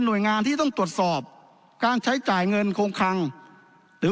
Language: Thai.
โดยงานที่ต้องตรวจสอบการใช้จ่ายเงินคงคังหรือ